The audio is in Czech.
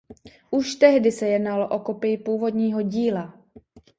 Už tehdy se jednalo o kopii původního díla.